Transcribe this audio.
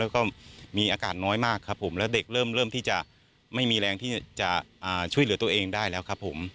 แล้วก็มีอากาศน้อยมากครับผมแล้วเด็กเริ่มที่จะไม่มีแรงที่จะช่วยเหลือตัวเองได้แล้วครับผม